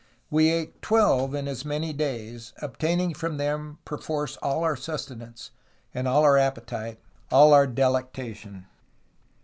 We ate twelve in as many days, obtaining from them perforce all our sustenance, all our appetite, all our delectation.